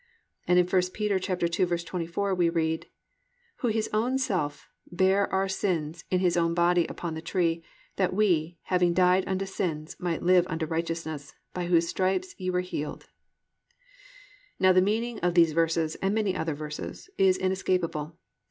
"+ And in 1 Peter 2:24 we read, +"Who His own self bare our sins in His own body upon the tree, that we, having died unto sins, might live unto righteousness; by whose stripes ye were healed."+ Now the meaning of these verses and many other verses, is inescapable.